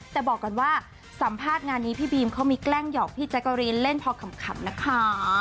แต่บอกก่อนว่าสัมภาษณ์งานนี้พี่บีมเขามีแกล้งหอกพี่แจ๊กกะรีนเล่นพอขำนะคะ